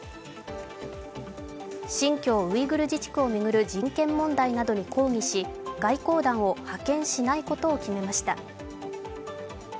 新疆ウイグル自治区を巡る人権問題などに抗議し外交団を派遣しないことを決めました。